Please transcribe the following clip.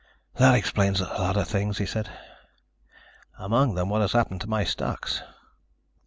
"That explains a lot of things," he said. "Among them what has happened to my stocks."